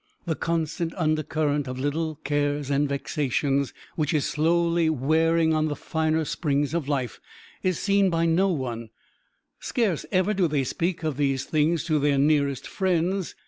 The constant undercurrent of little cares and vexations, which is slowly wearing on the finer springs of life, is seen by no one; scarce ever do they speak of these things to their nearest friends.